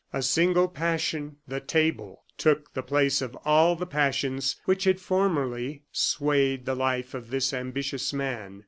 A single passion, the table, took the place of all the passions which had formerly swayed the life of this ambitious man.